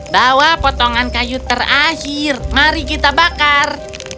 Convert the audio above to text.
bawa potongan kayu terakhir mari kita bakar